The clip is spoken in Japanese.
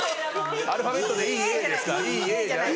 アルファベットでＥＡですか？